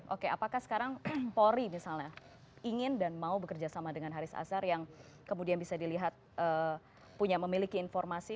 oke apakah sekarang polri misalnya ingin dan mau bekerja sama dengan haris azhar yang kemudian bisa dilihat punya memiliki informasi